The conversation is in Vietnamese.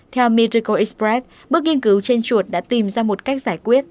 theo mitrico express bước nghiên cứu trên chuột đã tìm ra một cách giải quyết